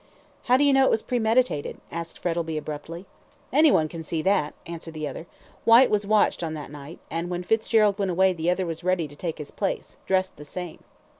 "How do you know it was premeditated?" asked Frettlby, abruptly. "Any one can see that," answered the other. "Whyte was watched on that night, and when Fitzgerald went away the other was ready to take his place, dressed the same."